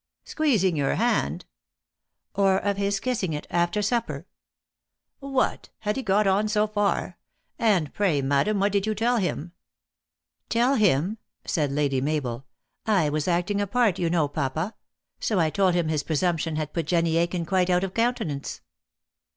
" Squeezing your hand ?"" Or of his kissing it, after supper ?"" What ! Had he got on so far ? And pray, madam, what did you tell him ?" THE ACTEESS IN HIGH LIFE. 397 "Tell him!" said Lady Mabel. "I was acting a part, you know, papa ; so I told him his presumption had put Jenny Aiken quite out of countenance."